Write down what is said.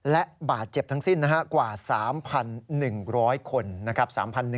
และบาดเจ็บทั้งสิ้นกว่า๓๑๐๐คนนะครับ